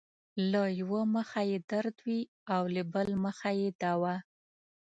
له يؤه مخه يې درد وي له بل مخه يې دوا